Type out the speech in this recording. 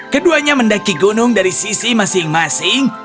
keduanya mendaki gunung dari sisi masing masing